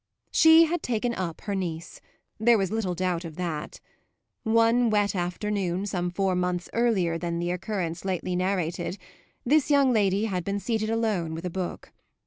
She had taken up her niece there was little doubt of that. One wet afternoon, some four months earlier than the occurrence lately narrated, this young lady had been seated alone with a book.